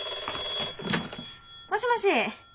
☎もしもし！